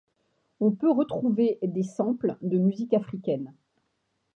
On peut retrouver des samples de musiques africaines.